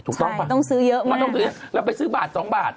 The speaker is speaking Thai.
ถูกต้องป่ะต้องซื้อเยอะมากมันต้องซื้อเยอะเราไปซื้อบาทสองบาท